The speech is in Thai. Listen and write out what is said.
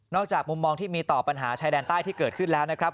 จากมุมมองที่มีต่อปัญหาชายแดนใต้ที่เกิดขึ้นแล้วนะครับ